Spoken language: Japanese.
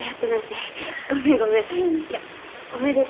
いやおめでとう。